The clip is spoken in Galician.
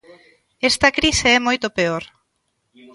Esta crise é moito peor.